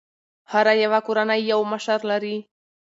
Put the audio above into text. هره يوه کورنۍ یو مشر لري.